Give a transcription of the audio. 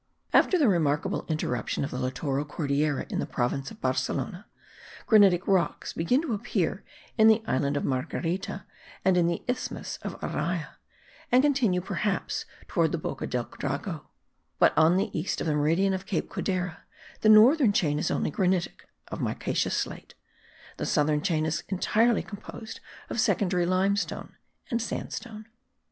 After the remarkable interruption of the littoral Cordillera in the province of Barcelona, granitic rocks begin to appear in the island of Marguerita and in the isthmus of Araya, and continue, perhaps, towards the Boca del Drago; but on the east of the meridian of Cape Codera the northern chain only is granitic (of micaceous slate); the southern chain is entirely composed of secondary limestone and sandstone.